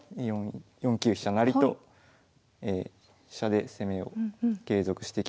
４九飛車成と飛車で攻めを継続してきまして。